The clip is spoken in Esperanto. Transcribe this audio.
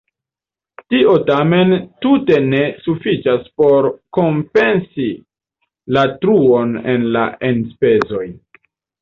Tio tamen tute ne sufiĉas por kompensi la truon en la enspezoj.